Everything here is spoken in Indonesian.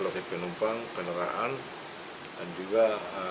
loket penumpang kendaraan dan juga